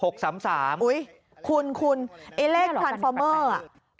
คุณไอเลขทันฟอร์เมอร์๘๑๘๘